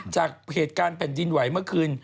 จากเหตุการณ์แผ่นดินไหวเมื่อคืน